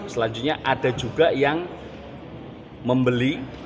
selanjutnya ada juga yang membeli